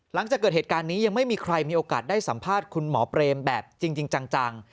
หลังจากเกิดเหตุการณ์นี้ยังไม่มีใครมีโอกาสได้สัมภาษณ์คุณหมอเปรมแบบจริงจัง